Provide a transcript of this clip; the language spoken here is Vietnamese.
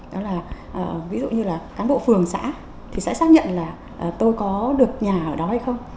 đó là ví dụ như là cán bộ phường xã thì sẽ xác nhận là tôi có được nhà ở đó hay không